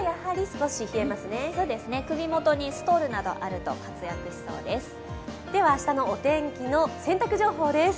首元にストールなどがあると活躍しそうです。